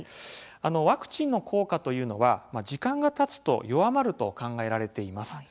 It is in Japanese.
ワクチンの効果というのは時間がたつと弱まると考えられています。